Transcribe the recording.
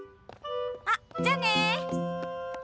あっじゃあね！